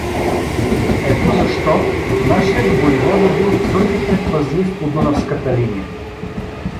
Ето защо нашият войвода бил твърде предпазлив по дунавската линия.